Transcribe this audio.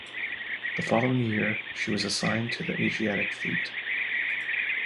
The following year, she was assigned to the Asiatic Fleet.